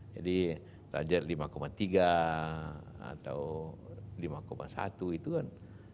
jadi target lima tiga atau lima satu itu kan